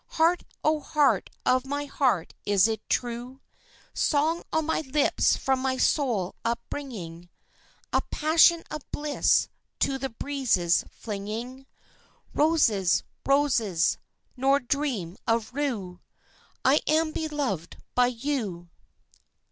(Heart, oh heart of my heart is it true?) Song on my lips from my soul upringing, A passion of bliss to the breezes flinging, Roses, roses nor dream of rue! I am beloved by you.